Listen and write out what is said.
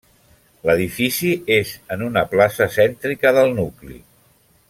L'edifici és en una plaça cèntrica del nucli.